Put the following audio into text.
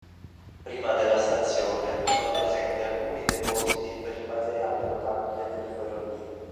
Prima della stazione, sono presenti alcuni depositi per il materiale rotabile delle ferrovie.